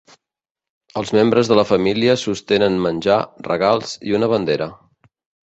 Els membres de la família sostenen menjar, regals i una bandera.